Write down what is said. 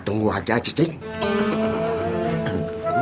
tunggu aja cik esy